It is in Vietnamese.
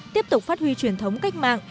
tiếp tục phát huy truyền thống cách mạng